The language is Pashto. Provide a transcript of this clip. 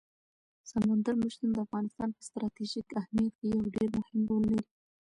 سمندر نه شتون د افغانستان په ستراتیژیک اهمیت کې یو ډېر مهم رول لري.